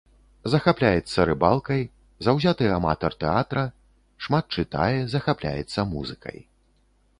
Захапляецца рыбалкай, заўзяты аматар тэатра, шмат чытае, захапляецца музыкай.